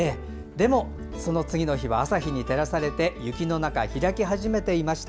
でも翌日の朝日に照らされて雪の中、開き始めていました。